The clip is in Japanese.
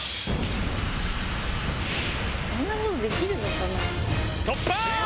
そんなことできるのかな？